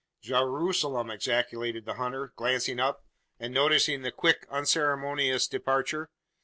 "Geeroozalem!" ejaculated the hunter, glancing up, and noticing the quick unceremonious departure.